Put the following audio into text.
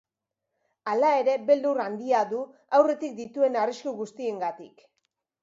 Hala ere, beldur handia du aurretik dituen arrisku guztiengatik.